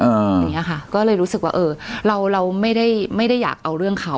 อย่างเงี้ยค่ะก็เลยรู้สึกว่าเออเราเราไม่ได้ไม่ได้อยากเอาเรื่องเขา